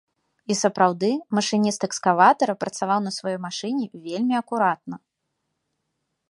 І сапраўды, машыніст экскаватара працаваў на сваёй машыне вельмі акуратна.